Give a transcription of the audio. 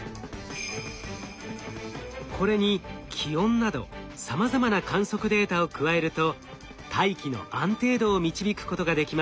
これに気温などさまざまな観測データを加えると大気の安定度を導くことができます。